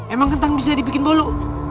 emang kentang bisa dibikin bolok